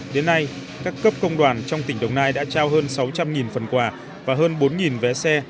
đến nay các cấp công đoàn trong tỉnh đồng nai đã trao hơn sáu trăm linh phần quà và hơn bốn vé xe